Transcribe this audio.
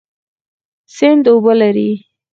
سیند اوبه لري